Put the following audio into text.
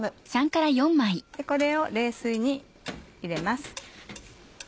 これを冷水に入れます。